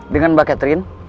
dengan mbak catherine